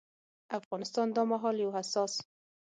افغانستان دا مهال له يو حساس